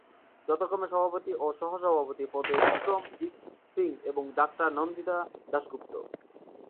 যথাক্রমে সভাপতি এবং সহ-সভাপতি পদে বিক্রম জিত সিং এবং ডাক্তার নন্দিতা দাশগুপ্ত।